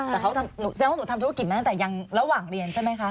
สินค้าค่ะหนูทำธุรกิจมาตั้งแต่ยังระหว่างเรียนใช่ไหมคะ